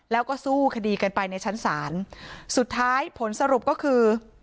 แล้วก็สู้คดีกันไปในชั้นศาลสุดท้ายผลสรุปก็คือ